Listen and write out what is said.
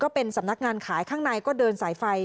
เป็นสำนักงานขายข้างในก็เดินสายไฟ